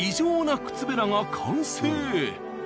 な靴べらが完成。